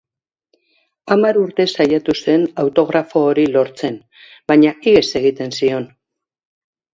Hamar urtez saiatu zen autografo hori lortzen, baina ihes egiten zion.